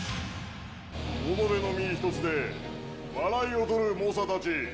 己の身一つで笑いを取る猛者たち。